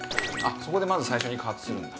そこでまず最初に加圧するんだ。